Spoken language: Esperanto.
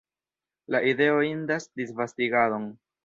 La ideo indas disvastigadon!